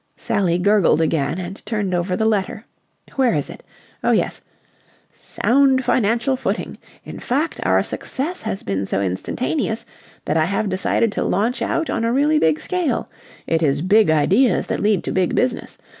Sally gurgled again and turned over the letter. "Where is it? Oh yes! '... sound financial footing. In fact, our success has been so instantaneous that I have decided to launch out on a really big scale. It is Big Ideas that lead to Big Business.